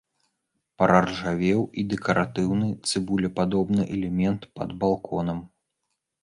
Праржавеў і дэкаратыўны цыбулепадобны элемент пад балконам.